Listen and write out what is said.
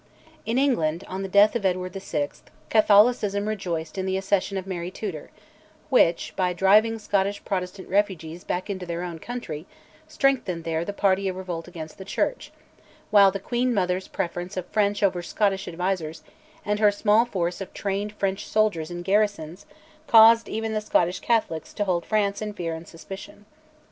In England, on the death of Edward VI., Catholicism rejoiced in the accession of Mary Tudor, which, by driving Scottish Protestant refugees back into their own country, strengthened there the party of revolt against the Church, while the queen mother's preference of French over Scottish advisers, and her small force of trained French soldiers in garrisons, caused even the Scottish Catholics to hold France in fear and suspicion.